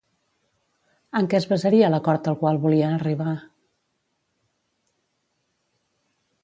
En què es basaria l'acord al qual volien arribar?